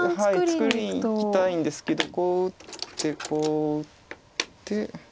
作りにいきたいんですけどこう打ってこう打って。